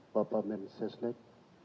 bapak men sesnek